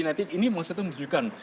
nanti ini mau saya tuh menunjukkan